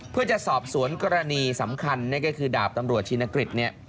เพื่อจะสอบสวนกรณีสำคัญนั่นก็คือดาบตำรวจชินกฤษเนี่ย